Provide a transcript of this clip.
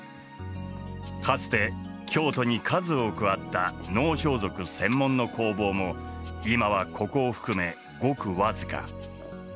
かつて京都に数多くあった能装束専門の工房も今はここを含めごく僅か。